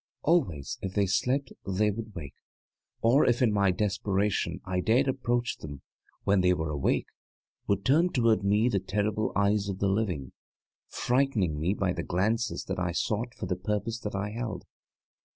Always if they slept they would wake, or if in my desperation I dared approach them when they were awake, would turn toward me the terrible eyes of the living, frightening me by the glances that I sought from the purpose that I held.